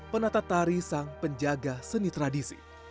penata tari sang penjaga seni tradisi